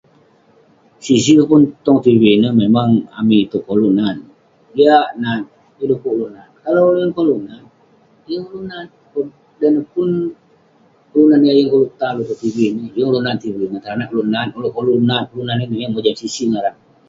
Sik sik pun tong tv ineh, memang amik itouk koluk nat..Jiak nat..yah de'kuk ulouk nat..kalau ulouk yeng koluk nat, yeng ulouk nat..dan pun kelunan yah yeng koluk tan ulouk tong tv ineh, yeng ulouk nat tv ineh. Teranak ulouk nat, ulouk koluk nat kelunan ineh, yeng mojam sik sik ngaran